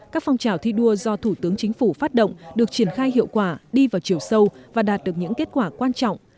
các phong trào thi đua do thủ tướng chính phủ phát động được triển khai hiệu quả đi vào chiều sâu và đạt được những kết quả quan trọng